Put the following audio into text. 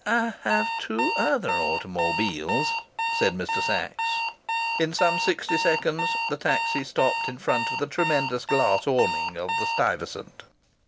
("I have two other automobiles," said Mr. Sachs.) In some sixty seconds the taxi stopped in front of the tremendous glass awning of the Stuyvesant.